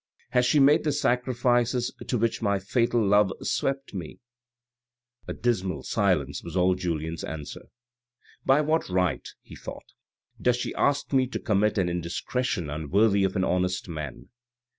Has she made the sacrifices to which my fatal love swept me ?" A dismal silence was all Julien's answer. " By what right," he thought, "does she ask me to commit an indiscretion unworthy of an honest man?"